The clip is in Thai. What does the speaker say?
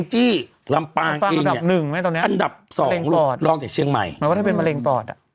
หมายควรว่าถ้าเป็นมะเร็งปลอด